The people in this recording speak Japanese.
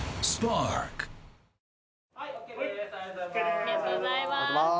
ありがとうございます。